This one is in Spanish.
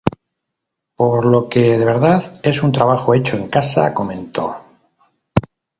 Por lo que de verdad es un trabajo hecho en casa", comentó.